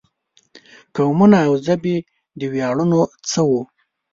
قومونه او ژبې د ویاړونو څه وو.